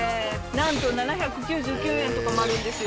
なんと７９９円とかもあるんですよ。